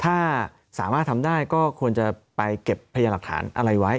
ถ้าสามารถทำได้ก็ควรจะไปเก็บพยาหลักฐานอะไรไว้